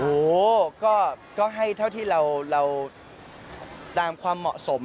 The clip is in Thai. โอ้โหก็ให้เท่าที่เราตามความเหมาะสม